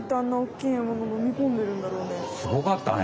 すごかったね。